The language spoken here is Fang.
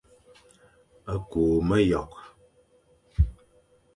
Küa meyokh,